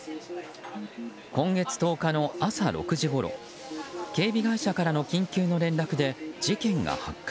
今月１０日の朝６時ごろ警備会社からの緊急の電話で事件が発覚。